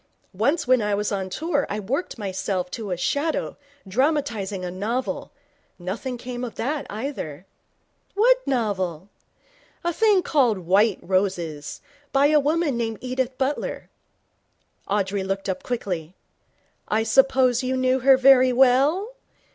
Once when I was on tour I worked myself to a shadow, dramatizing a novel. Nothing came of that, either.' 'What novel?' 'A thing called White Roses, by a woman named Edith Butler.' Audrey looked up quickly. 'I suppose you knew her very well?